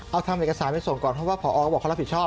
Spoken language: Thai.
เอาทำเอกสารไปส่งก่อนเพราะว่าพอบอกเขารับผิดชอบ